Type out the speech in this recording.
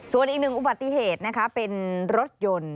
ส่วนอีกหนึ่งอุบัติเหตุนะคะเป็นรถยนต์